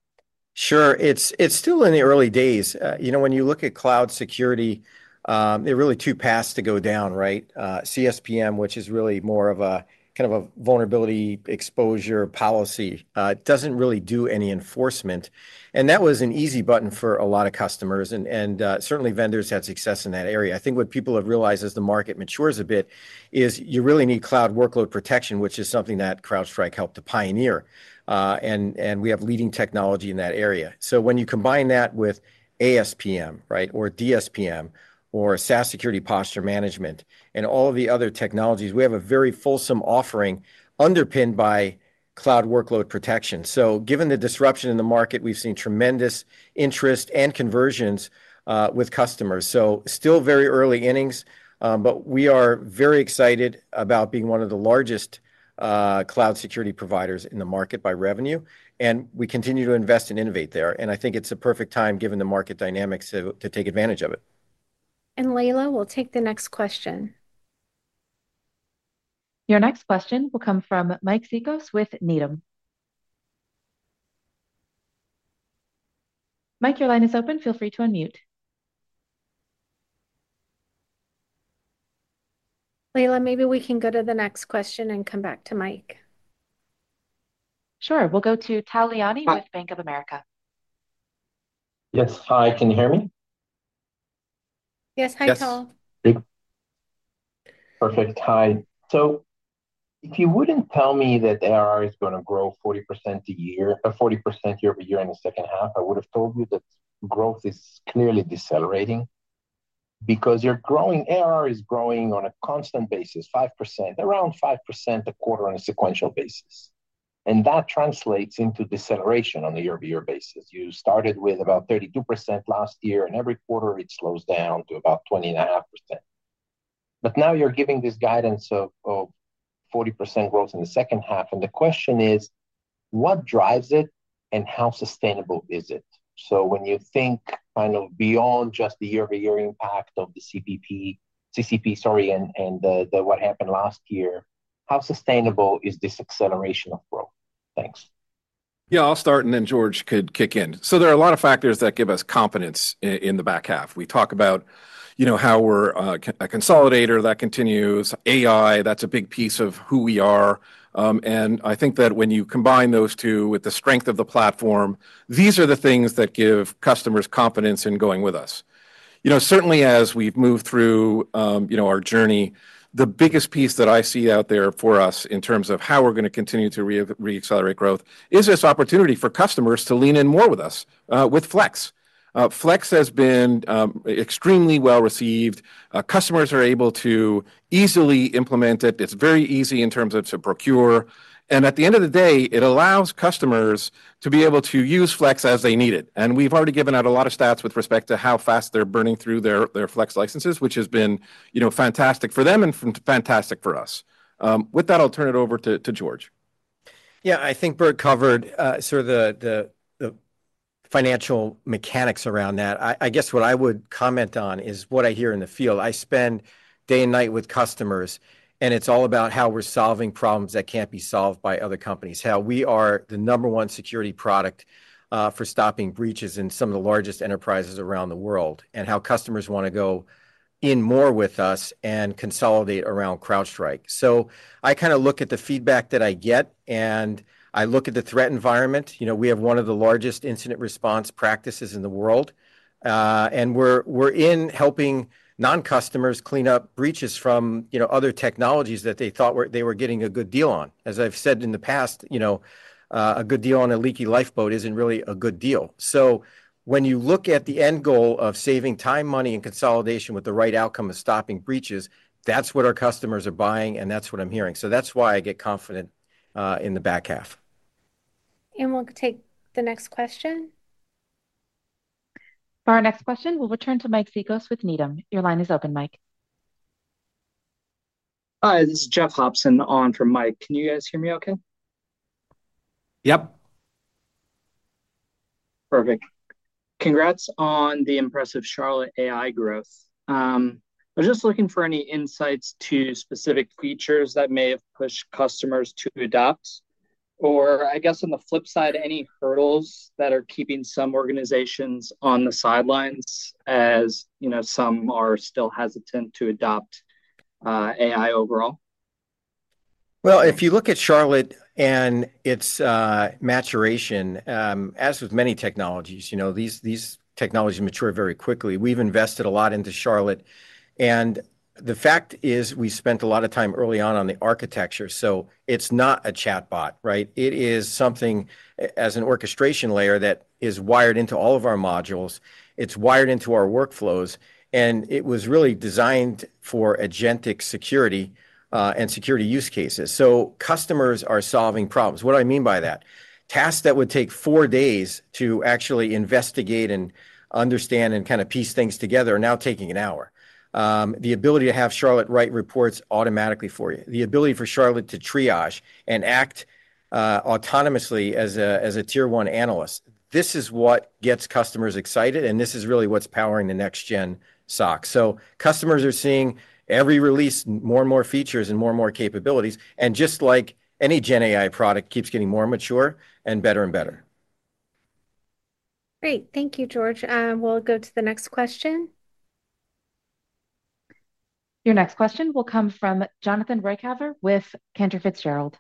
Sure. It's still in the early days. You know, when you look at Cloud Security, there are really two paths to go down. Right. CSPM, which is really more of a kind of a vulnerability exposure policy, doesn't really do any enforcement, and that was an easy button for a lot of customers, and certainly vendors had success in that area. I think what people have realized as the market matures a bit is you really need cloud workload protection, which is something that CrowdStrike helped to pioneer, and we have leading technology in that area. When you combine that with ASPM, or DSPM, or SaaS security posture management and all of the other technologies, we have a very fulsome offering underpinned by cloud workload protection. Given the disruption in the market, we've seen tremendous interest and conversions with customers. It's still very early innings. We are very excited about being one of the largest cloud security providers in the market by revenue, and we continue to invest and innovate there, and I think it's the perfect time, given the market dynamics, to take advantage of it. Layla will take the next question. Your next question will come from Mike Cikos with Needham. Mike, your line is open. Feel free to unmute. Layla, maybe we can go to the next question and come back to Mike. Sure. We'll go to Tal Liani with Bank of America. Yes, hi, can you hear me? Yes. Hi, Tal. Perfect. Hi. If you wouldn't tell me that ARR is going to grow 40% a year, 40% year-over-year in the second half, I would have told you that. Growth is clearly decelerating because you're growing. ARR is growing on a constant basis, 5% around 5% a quarter on a sequential basis. That translates into deceleration on a year-over-year basis. You started with about 32% last year and every quarter it slows down to about 20%. Now you're giving this guidance of 40% growth in the second half and the question is what drives it and how sustainable is it? When you think kind of beyond just the year-over-year impact of the CCP, sorry, and what happened last year, how sustainable is this acceleration of growth? Thanks. Yeah, I'll start and then George can kick in. There are a lot of factors that give us confidence in the back half. We talk about how we're a consolidator that continues AI, that's a big piece of who we are. I think that when you combine those two with the strength of the platform, these are the things that give customers confidence in going with us, certainly as we move through our journey. The biggest piece that I see out there for us in terms of how we're going to continue to reaccelerate growth is this opportunity for customers to lean in more with us with Flex. Flex has been extremely well received. Customers are able to easily implement it. It's very easy to procure and at the end of the day it allows customers to be able to use Flex as they need it. We've already given out a lot of stats with respect to how fast they're burning through their Flex licenses, which has been fantastic for them and fantastic for us. With that, I'll turn it over to George. I think Burt covered the financial mechanics around that. What I would comment on is what I hear in the field. I spend day and night with customers and it's all about how we're solving problems that can't be solved by other companies. How we are the number one security product for stopping breaches in some of the largest enterprises around the world and how customers want to go in more with us and consolidate around CrowdStrike. I look at the feedback that I get and I look at the threat environment. We have one of the largest incident response practices in the world and we're helping non-customers clean up breaches from other technologies that they thought they were getting a good deal on. As I've said in the past, a good deal on a leaky lifeboat isn't really a good deal. When you look at the end goal of saving time, money, and consolidation with the right outcome of stopping breaches, that's what our customers are buying and that's what I'm hearing. That's why I get confident in the back half. We will take the next question. For our next question, we will return to Mike Cikos with Needham. Your line is open, Mike. Hi, this is Jeff Hobson on for Mike. Can you guys hear me okay? Yep. Perfect. Congrats on the impressive Charlotte AI agent growth. I was just looking for any insights to specific features that may have pushed customers to adopt or I guess on the flip side, any hurdles that are keeping some organizations on the sidelines. As you know, some are still hesitant to adopt AI overall. If you look at Charlotte and its maturation, as with many technologies, these technologies mature very quickly. We've invested a lot into Charlotte and the fact is we spent a lot of time early on on the architecture. It's not a chatbot. It is something as an orchestration layer that is wired into all of our modules, it's wired into our workflows, and it was really designed for agentic security and security use cases. Customers are solving problems. What do I mean by that? Tasks that would take four days to actually investigate and understand and kind of piece things together are now taking an hour. The ability to have Charlotte write reports automatically for you, the ability for Charlotte to triage and act autonomously as a tier one analyst, this is what gets customers excited and this is really what's powering the Next-Gen SOC. Customers are seeing every release, more and more features and more and more capabilities, and just like any gen AI product, it keeps getting more mature and better and better. Great. Thank you, George. We'll go to the next question. Your next question will come from Jonathan Ruykhaver with Cantor Fitzgerald.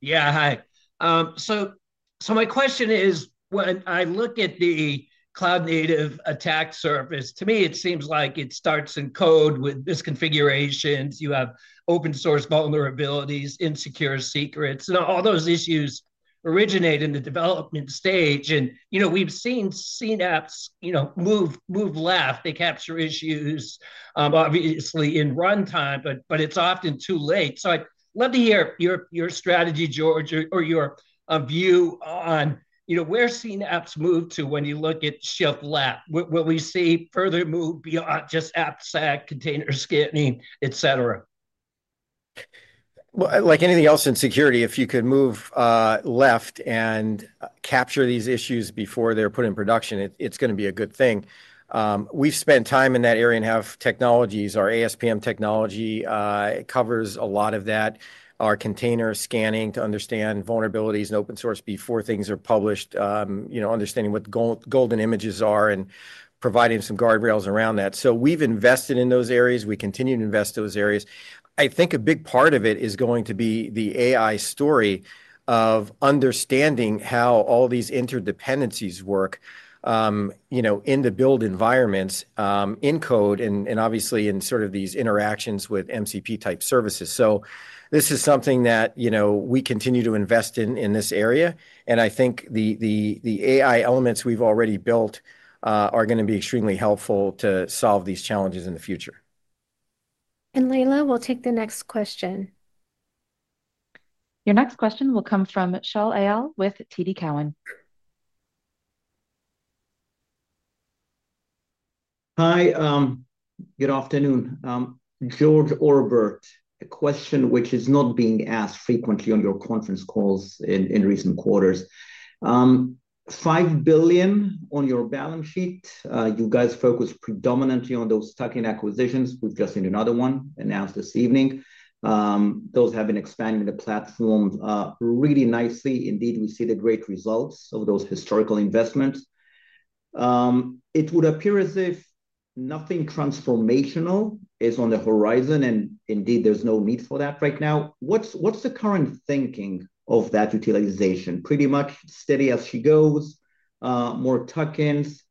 Yeah, hi. My question is when I look at the cloud native attack surface, to me it seems like it starts in code with misconfigurations. You have open source vulnerabilities, insecure secrets. All those issues originate in the development stage and we've seen CNAPPs move left. They capture issues obviously in runtime, but it's often too late. I'd love to hear your strategy, George, or your view on where CNAPPs move to. When you look at Shift Lab, will we see further move beyond just AppSec, container scanning, et cetera? If you could move left and capture these issues before they're put in production, it's going to be a good thing. We've spent time in that area and have technologies, our ASPM technology covers a lot of that, our container scanning to understand vulnerabilities and open source before things are published, you know, understanding what the golden images are and providing some guardrails around that. We've invested in those areas, we continue to invest in those areas. I think a big part of it is going to be the AI story of understanding how all these interdependencies work in the build environments, in code and obviously in sort of these interactions with MCP type services. This is something that we continue to invest in and I think the AI elements we've already built are going to be extremely helpful to solve these challenges in the future. Layla will take the next question. Your next question will come from Shaul Eyal with TD Cowen. Hi, good afternoon. George or Burt, a question which is not being asked frequently on your conference calls in recent quarters. $5 billion on your balance sheet. You guys focus predominantly on those tuck-in acquisitions. We've just seen another one announced this evening. Those have been expanding the platform really nicely. Indeed, we see the great results of those historical investments. It would appear as if nothing transformational is on the horizon and indeed there's no need for that right now. What's the current thinking of that utilization? Pretty much steady as she goes. More tuck-ins.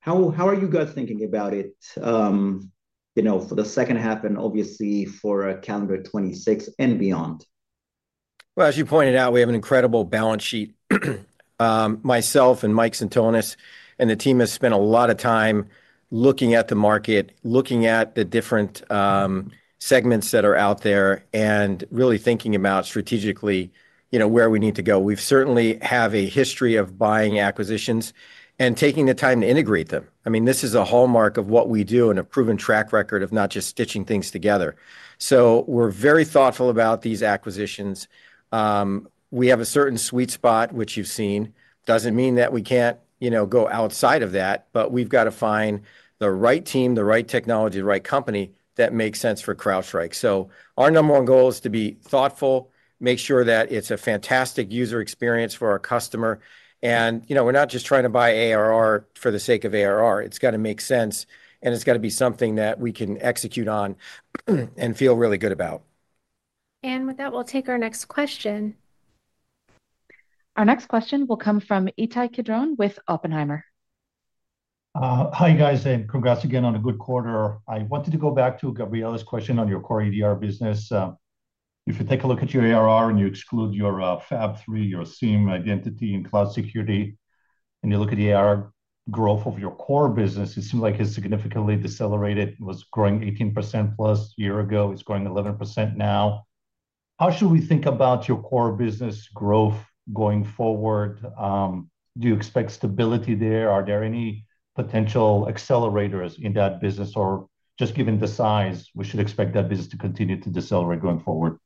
How are you guys thinking about it, you know, for the second half and obviously for calendar 2026 and beyond? As you pointed out, we have an incredible balance sheet. Myself and Mike Sentonas and the team have spent a lot of time looking at the market, looking at the different segments that are out there and really thinking about strategically, you know, where we need to go. We certainly have a history of buying acquisitions and taking the time to integrate them. This is a hallmark of what we do and a proven track record of not just stitching things together. We are very thoughtful about these acquisitions. We have a certain sweet spot, which you've seen, doesn't mean that we can't go outside of that. We have to find the right team, the right technology, the right company that makes sense for CrowdStrike. Our number one goal is to be thoughtful, make sure that it's a fantastic user experience for our customer. We're not just trying to buy ARR for the sake of ARR. It's got to make sense and it's got to be something that we can execute on and feel really good about. With that, we'll take our next question. Our next question will come from Ittai Kidron with Oppenheimer. Hi guys, and congrats again on a good quarter. I wanted to go back to Gabriella's question on your core EDR business. If you take a look at your ARR and you exclude your Fab 3, your SIEM, Identity, and Cloud Security, and you look at the ARR growth of your core business, it seems like it's significantly decelerated. Was growing 18%+ a year ago, it's growing 11% now. How should we think about your core business growth going forward? Do you expect stability there? Are there any potential accelerators in that business or just given the size, we should expect that business to continue to decelerate going forward?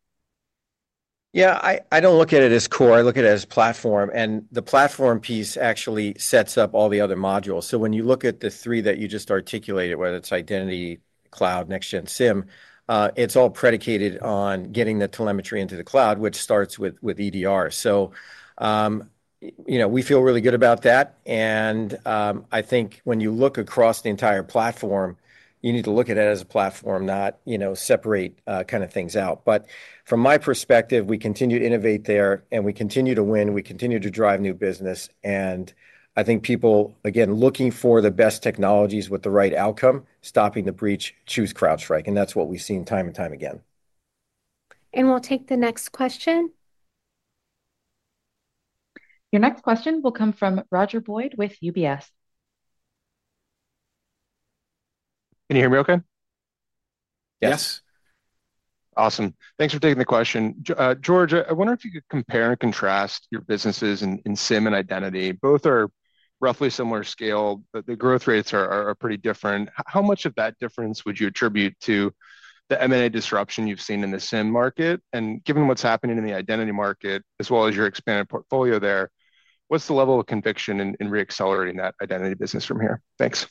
Yeah, I don't look at it as core. I look at it as platform. The platform piece actually sets up all the other modules. When you look at the three that you just articulated, whether it's Identity, Cloud, Next-Gen SIEM, it's all predicated on getting the telemetry into the cloud, which starts with EDR. We feel really good about that. I think when you look across the entire platform, you need to look at it as a platform, not separate kind of things out. From my perspective, we continue to innovate there and we continue to drive new business. I think people again looking for the best technologies with the right outcome. Stopping the breach. Choose CrowdStrike. That's what we've seen time and time again. We'll take the next question. Your next question will come from Roger Boyd with UBS. Can you hear me okay? Yes. Awesome. Thanks for taking the question, George. I wonder if you could compare and contrast your businesses in SIEM and Identity. Both are roughly similar scale, but the growth rates are pretty different. How much of that difference would you attribute to the M&A disruption you've seen in the SIEM market? Given what's happening in the identity market as well as your expanded portfolio there, what's the level of conviction in re-accelerating that identity business from here? Thanks.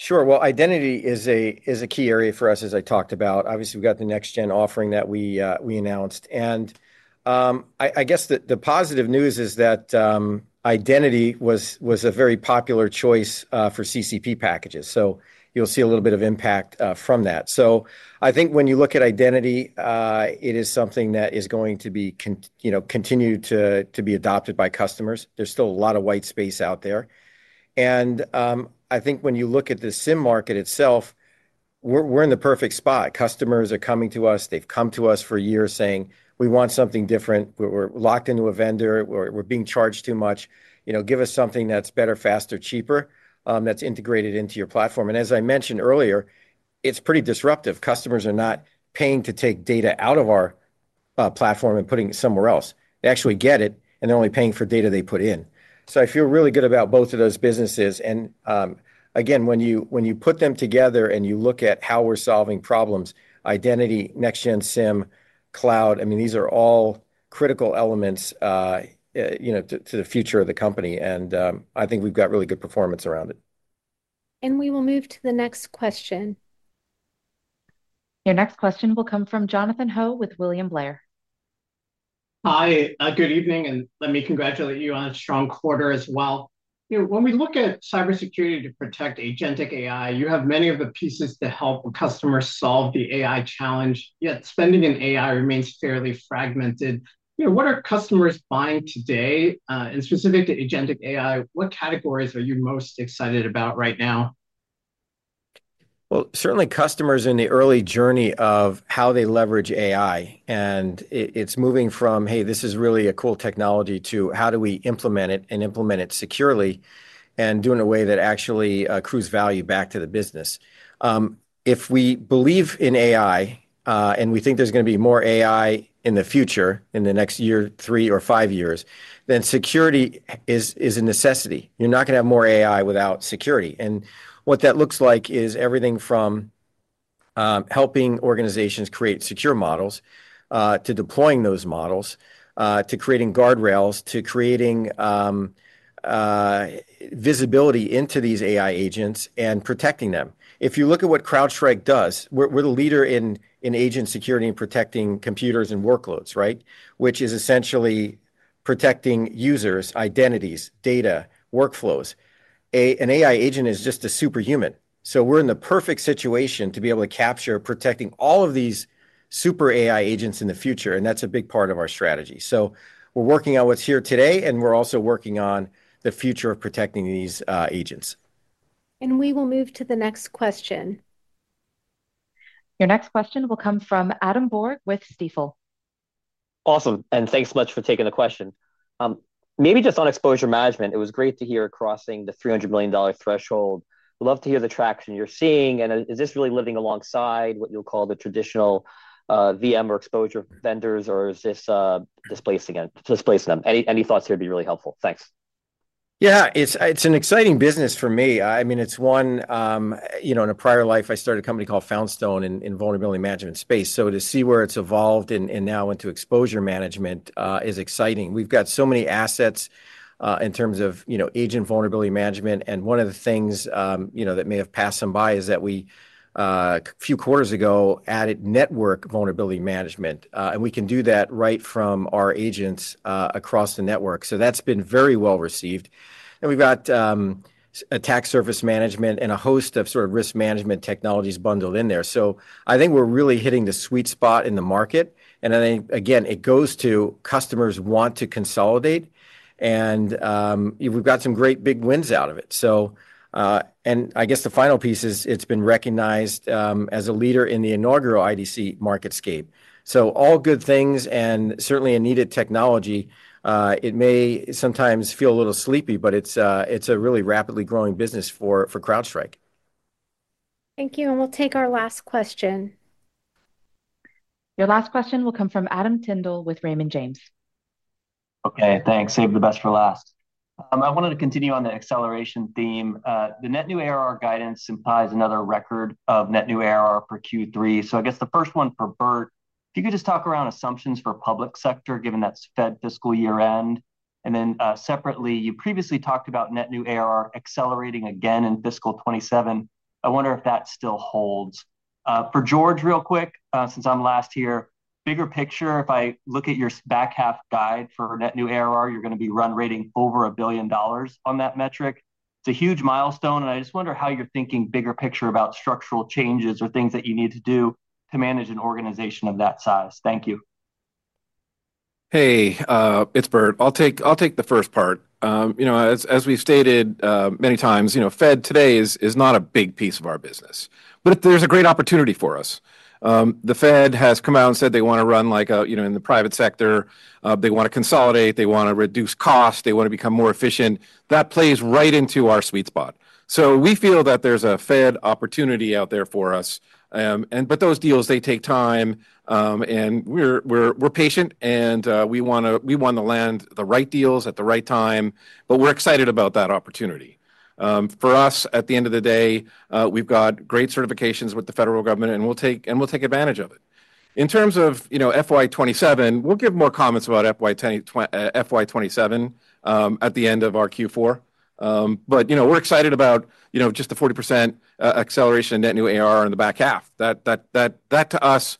Sure. Identity is a key area for us, as I talked about. Obviously, we've got the Next-Gen offering that we announced, and I guess the positive news is that identity was a very popular choice for CCP packages. You'll see a little bit of impact from that. I think when you look at identity, it is something that is going to continue to be adopted by customers. There's still a lot of white space out there, and I think when you look at the SIEM market itself, we're in the perfect spot. Customers are coming to us, they've come to us for years saying we want something different, we're locked into a vendor, we're being charged too much. Give us something that's better, faster, cheaper, that's integrated into your platform. As I mentioned earlier, it's pretty disruptive. Customers are not paying to take data out of our platform and putting it somewhere else. They actually get it, and they're only paying for data they put in. I feel really good about both of those businesses. When you put them together and you look at how we're solving problems—Identity, Next-Gen SIEM, Cloud—I mean, these are all critical elements to the future of the company, and I think we've got really good performance around it. We will move to the next question. Your next question will come from Jonathan Ho with William Blair. Hi, good evening, and let me congratulate you on a strong quarter as well. When we look at cybersecurity to protect agentic AI, you have many of the pieces to help customers solve the AI challenge. Yet spending in AI remains fairly fragmented. What are customers buying today, and specific to agentic AI, what categories are you most excited about right now? Customers are in the early journey of how they leverage AI, and it's moving from, hey, this is really a cool technology to how do we implement it and implement it securely and do it in a way that actually accrues value back to the business. If we believe in AI and we think there's going to be more AI in the future, in the next year, three or five years, then security is a necessity. You're not going to have more AI without security. What that looks like is everything from helping organizations create secure models to deploying those models to creating guardrails, to creating visibility into these AI agents and protecting them. If you look at what CrowdStrike does, we're the leader in agent security and protecting computers and workloads, which is essentially protecting users' identities, data, workflows. An AI agent is just a superhuman. We're in the perfect situation to be able to capture protecting all of these super AI agents in the future, and that's a big part of our strategy. We're working on what's here today and we're also working on the future of protecting these agents. We will move to the next question. Your next question will come from Adam Borg with Stifel. Awesome. Thanks so much for taking the question. Maybe just on exposure management. It was great to hear crossing the $300 million threshold. We'd love to hear the traction you're seeing. Is this really living alongside what you'll call the traditional VM or exposure vendors, or is this displacing them? Any thoughts here would be really helpful. Thanks. Yeah, it's an exciting business for me. I mean it's one. You know, in a prior life I started a company called Foundstone in vulnerability management space. To see where it's evolved and now into exposure management is exciting. We've got so many assets in terms of, you know, agent vulnerability management and one of the things that may have passed them by is that we a few quarters ago added network vulnerability management and we can do that right from our agents across the network. That's been very well received and we've got attack surface management and a host of sort of risk management technologies bundled in there. I think we're really hitting the sweet spot in the market. I think again it goes to customers want to consolidate and we've got some great big wins out of it. I guess the final piece is it's been recognized as a leader in the inaugural IDC MarketScape. All good things and certainly a needed technology. It may sometimes feel a little sleepy, but it's a really rapidly growing business for CrowdStrike. Thank you. We'll take our last question. Your last question will come from Adam Tindle with Raymond James. Okay, thanks. Save the best for last. I wanted to continue on the acceleration theme. The net new ARR guidance implies another record of net new ARR for Q3. I guess the first one for Burt. If you could just talk around assumptions for public sector given that's Fed fiscal year end and then separately, you previously talked about net new ARR accelerating again in fiscal 2027. I wonder if that still holds for George. Real quick, since I'm last here, bigger picture. If I look at your back half guide for net new ARR, you're going to be run rating over $1 billion on that metric. It's a huge milestone. I just wonder how you're thinking bigger picture about structural changes or things that you need to do to manage an organization of that size. Thank you. Hey, it's Burt. I'll take the first part. As we've stated many times, Fed today is not a big piece of our business, but there's a great opportunity for us. The Fed has come out and said they want to run like in the private sector, they want to consolidate, they want to reduce costs, they. Want to become more efficient. That plays right into our sweet spot. We feel that there's a Fed opportunity out there for us. Those deals take time and we're patient and we want to land the right deals at the right time. We're excited about that opportunity for us. At the end of the day, we've got great certifications with the federal government and we'll take advantage of it. In terms of FY 2027, we'll give more comments about FY 2027 at the end of our Q4, but we're excited about just the 40% acceleration, net new ARR in the back half. That to us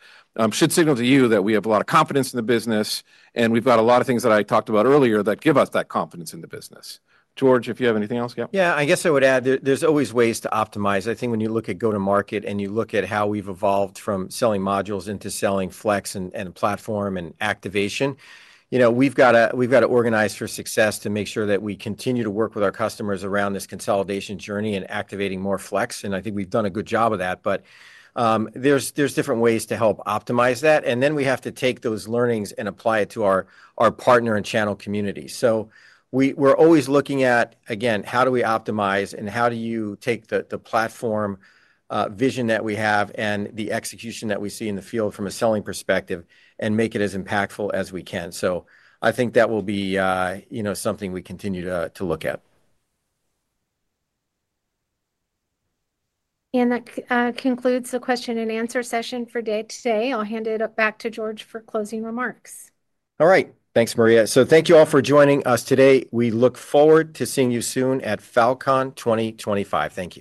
should signal to you that we have a lot of confidence in the business and we've got a lot of things that I talked about earlier that give us that confidence in the business. George, if you have anything else. I guess I would add there's always ways to optimize. I think when you look at go to market and you look at how we've evolved from selling modules into selling Flex and platform and activation, we've got to organize for success to make sure that we continue to work with our customers around this consolidation journey and activating more Flex. I think we've done a good job of that. There are different ways to help optimize that. We have to take those learnings and apply it to our partner and channel community. We're always looking at, again, how do we optimize and how do you take the platform vision that we have and the execution that we see in the field from a selling perspective and make it as impactful as we can. I think that will be something we continue to look at. That concludes the question and answer session for today. I'll hand it back to George for closing remarks. All right. Thanks, Maria. Thank you all for joining us today. We look forward to seeing you soon at Falcon 2025. Thank you.